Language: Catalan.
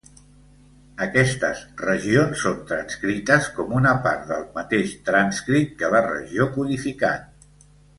Aquestes regions són transcrites com una part del mateix transcrit que la regió codificant.